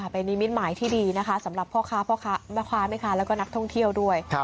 เป็นนิมิตหมายที่ดีนะคะสำหรับพ่อค้าพ่อค้าแม่ค้าแล้วก็นักท่องเที่ยวด้วย